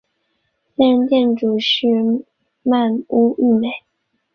现任店主是鳗屋育美。